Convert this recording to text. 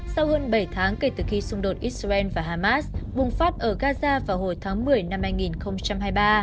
sau hơn bảy tháng kể từ khi xung đột israel và hamas bùng phát ở gaza vào hồi tháng một mươi năm hai nghìn hai mươi ba